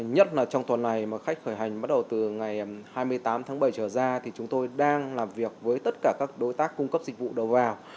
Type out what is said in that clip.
nhất là trong tuần này mà khách khởi hành bắt đầu từ ngày hai mươi tám tháng bảy trở ra thì chúng tôi đang làm việc với tất cả các đối tác cung cấp dịch vụ đầu vào